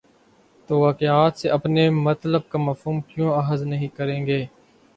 توواقعات سے اپنے مطلب کا مفہوم کیوں اخذ نہیں کریں گے؟